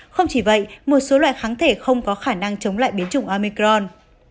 không chỉ vậy một số loại kháng thể không có khả năng chống lại biến chủng amicron